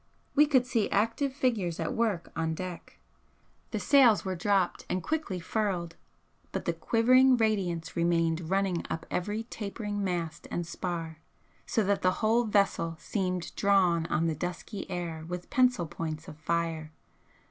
We could see active figures at work on deck the sails were dropped and quickly furled, but the quivering radiance remained running up every tapering mast and spar, so that the whole vessel seemed drawn on the dusky air with pencil points of fire.